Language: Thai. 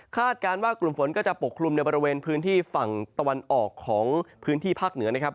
การว่ากลุ่มฝนก็จะปกคลุมในบริเวณพื้นที่ฝั่งตะวันออกของพื้นที่ภาคเหนือนะครับ